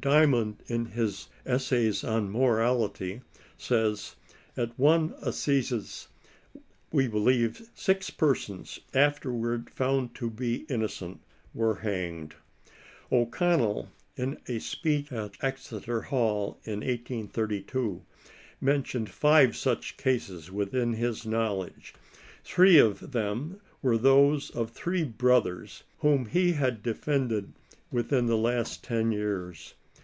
Dymond, in his Es says on Morality, says, " at one assizes, we believe, six persons, afterward found to be innocent, were hanged." O'Connell, in a speech at. Exeter Hall, in 1832, mentioned five such cases within his own knowledge. Three of them were those of three 112 brothers whom he had defended within the last ten years.